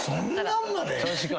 確かにな。